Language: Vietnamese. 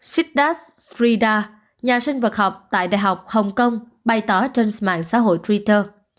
siddharth sridhar nhà sinh vật học tại đại học hồng kông bày tỏ trên mạng xã hội twitter